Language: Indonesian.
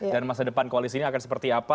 dan masa depan koalisi ini akan seperti apa